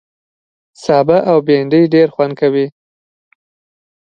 سابه او بېنډۍ ډېر خوند کوي